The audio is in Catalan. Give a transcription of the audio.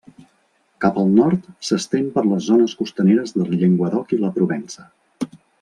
Cap al nord s'estén per les zones costaneres del Llenguadoc i la Provença.